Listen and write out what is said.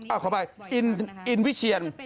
อ้าวขอไปอินวิเชียร